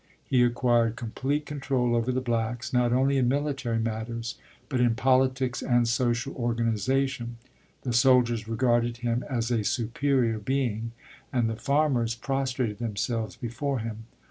He acquired complete control over the blacks, not only in military matters, but in politics and social organization; "the soldiers regarded him as a superior being, and the farmers prostrated themselves before him.